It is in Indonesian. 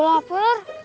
saya juga lapar